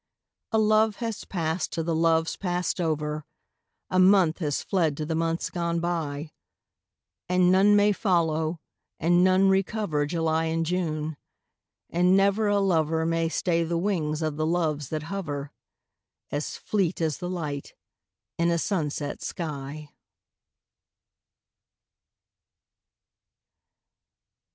A love has passed to the loves passed over, A month has fled to the months gone by; And none may follow, and none recover July and June, and never a lover May stay the wings of the Loves that hover, As fleet as the light in a sunset sky.